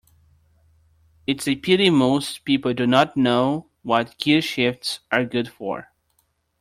It's a pity most people do not know what gearshifts are good for.